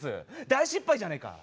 大失敗じゃねえか。